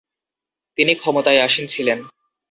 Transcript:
তিনি ক্ষমতায় আসীন ছিলেন।